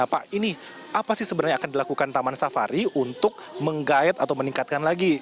pak ini apa sih sebenarnya akan dilakukan taman safari untuk menggayat atau meningkatkan lagi